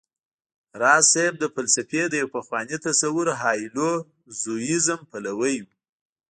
راز صيب د فلسفې د يو پخواني تصور هايلو زوييزم پلوی و